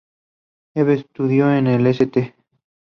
Eve estudió en el St.